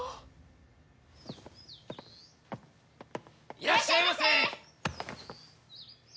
いらっしゃいませ！